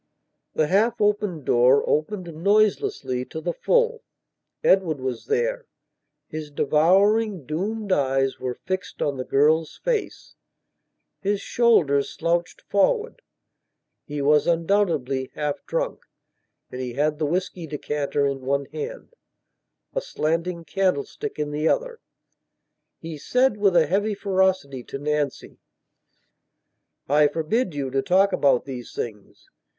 The half opened door opened noiselessly to the full. Edward was there. His devouring, doomed eyes were fixed on the girl's face; his shoulders slouched forward; he was undoubtedly half drunk and he had the whisky decanter in one hand, a slanting candlestick in the other. He said, with a heavy ferocity, to Nancy: "I forbid you to talk about these things.